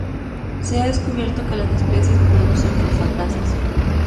Se ha descubierto que las especies producen fosfatasas.